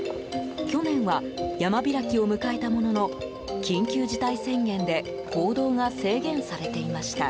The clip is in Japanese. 去年は山開きを迎えたものの緊急事態宣言で行動が制限されていました。